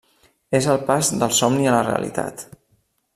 És el pas del somni a la realitat.